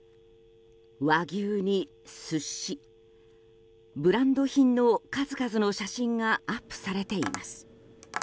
和牛に寿司ブランド品の数々の写真がアップされています。